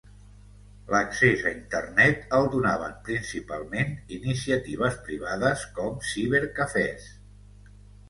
L'accés a Internet el donaven principalment iniciatives privades com cibercafès.